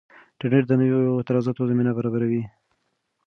انټرنیټ د نویو اختراعاتو زمینه برابروي.